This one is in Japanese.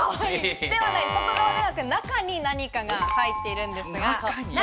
外側ではなく、中に何かが入っているんですが。